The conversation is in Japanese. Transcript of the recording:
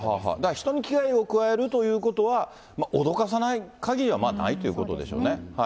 人に危害を加えるということは、驚かさないかぎりはないということでしょうね。